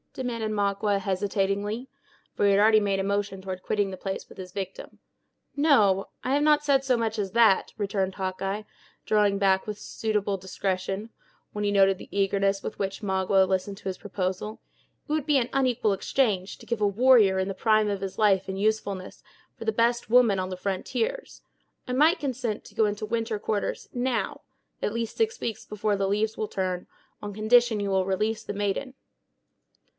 demanded Magua, hesitatingly; for he had already made a motion toward quitting the place with his victim. "No, no; I have not said so much as that," returned Hawkeye, drawing back with suitable discretion, when he noted the eagerness with which Magua listened to his proposal. "It would be an unequal exchange, to give a warrior, in the prime of his age and usefulness, for the best woman on the frontiers. I might consent to go into winter quarters, now —at least six weeks afore the leaves will turn—on condition you will release the maiden."